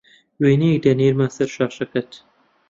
وێنەیەک دەنێرمه سەر شاشەکەت